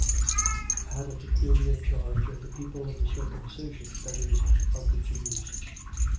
had a peculiar charge of the people of the circumcision, that is, of the Jews.